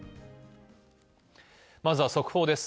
まずは速報です